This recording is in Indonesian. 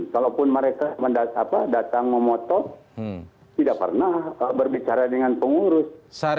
kalaupun mereka mendatang apa datang memotong tidak pernah berbicara dengan pengurus